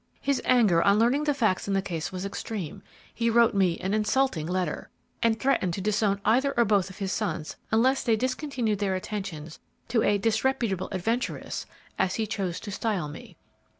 His anger on learning the facts in the case was extreme; he wrote me an insulting letter, and threatened to disown either or both of his sons unless they discontinued their attentions to a 'disreputable adventuress,' as he chose to style me.